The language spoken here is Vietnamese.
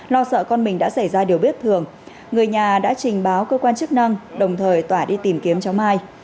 lo sợ con mình đã xảy ra điều bất thường người nhà đã trình báo cơ quan chức năng đồng thời tỏa đi tìm kiếm cháu mai